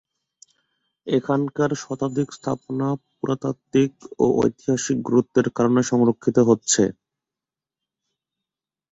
এখানকার শতাধিক স্থাপনা পুরাতাত্ত্বিক ও ঐতিহাসিক গুরুত্বের কারণে সংরক্ষিত হচ্ছে।